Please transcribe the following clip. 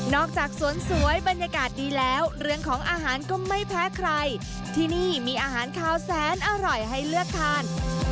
จากสวนสวยบรรยากาศดีแล้วเรื่องของอาหารก็ไม่แพ้ใครที่นี่มีอาหารคาวแสนอร่อยให้เลือกทาน